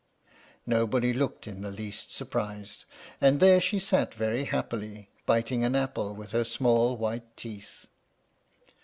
Nobody looked in the least surprised; and there she sat very happily, biting an apple with her small white teeth.